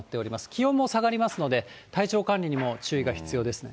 気温も下がりますので、体調管理にも注意が必要ですね。